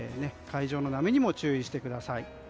海上の波にも注意してください。